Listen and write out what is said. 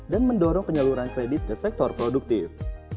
dan mendorong penyaluran kredit ke sektor produktif